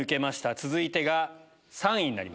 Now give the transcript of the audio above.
続いてが３位になります。